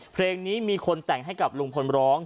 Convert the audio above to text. เพลงนี้มีคนแต่งให้กับลุงพลร้อง